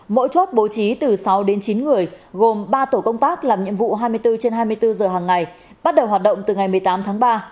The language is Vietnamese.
mỗi chốt bố trí từ sáu đến chín người gồm ba tổ công tác làm nhiệm vụ hai mươi bốn trên hai mươi bốn giờ hàng ngày bắt đầu hoạt động từ ngày một mươi tám tháng ba